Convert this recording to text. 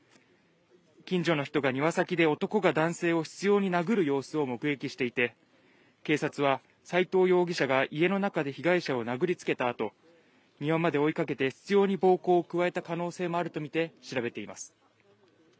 近所の人が庭先で男が男性を執ように殴る様子を目撃していて警察は斎藤容疑者が家の中で被害者を殴りつけたあと庭まで追いかけて執ように暴行を加えた可能性もあるとみて調べています